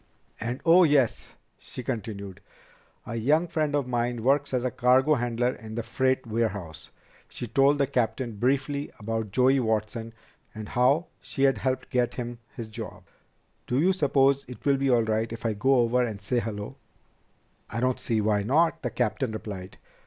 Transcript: "And oh, yes," she continued. "A young friend of mine works as a cargo handler in the freight warehouse." She told the captain briefly about Joey Watson and how she had helped get him his job. "Do you suppose it will be all right if I go over and say hello?" "I don't see why not," the captain replied.